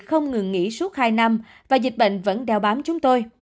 không ngừng nghỉ suốt hai năm và dịch bệnh vẫn đeo bám chúng tôi